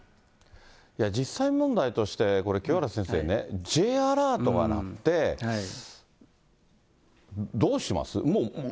実際問題として、これ、清原先生ね、Ｊアラートが鳴って、どうします？